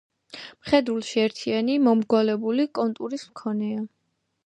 მხედრულში ერთიანი, მომრგვალებული კონტურის მქონეა.